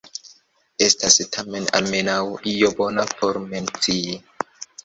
Estas tamen almenaŭ io bona por mencii.